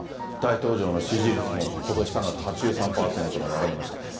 大統領の支持率もことし３月８３％まで上がりました。